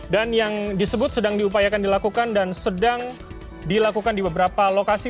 dan yang disebut sedang diupayakan dilakukan dan sedang dilakukan di beberapa lokasi